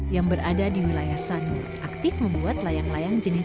yang berada di wilayah sanur aktif membuat layang layang jenis layang layang yang terkenal di bali